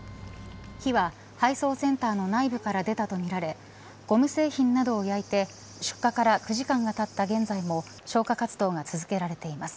火は配送センターの内部から出たとみられゴム製品などを焼いて出火から９時間がたった現在も消火活動が続けられています。